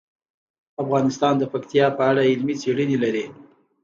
افغانستان د پکتیا په اړه علمي څېړنې لري.